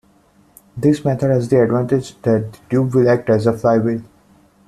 This method has the advantage that the tube will act as a flywheel.